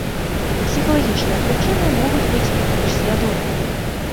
Псіхалагічныя прычыны могуць быць і больш свядомыя.